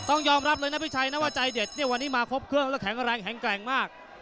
ต้องยอมรับเลยนะพี่ชัยนะว่าใจเด็ดเนี่ยวันนี้มาครบเครื่องแล้วแข็งแรงแข็งแกร่งมาก